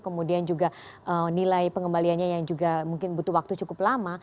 kemudian juga nilai pengembaliannya yang juga mungkin butuh waktu cukup lama